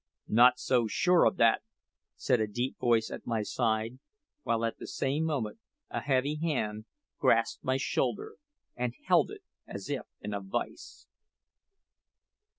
"Not so sure of that!" said a deep voice at my side, while at the same moment a heavy hand grasped my shoulder and held it as if in a vice.